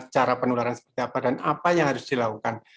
cara penularan seperti apa dan apa yang harus dilakukan